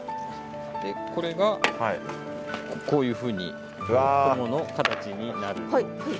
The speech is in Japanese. でこれがこういうふうに雲の形になる。